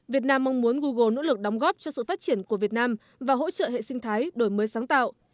việt nam mong muốn google nỗ lực đóng góp cho sự phát triển của việt nam và hỗ trợ hệ sinh thái đổi mới sáng tạo